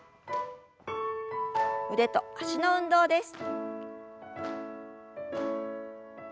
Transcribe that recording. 腕と脚の運動です。